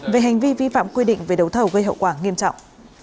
về hành vi vi phạm quy định về đấu thầu gây hậu quả nghiêm trọng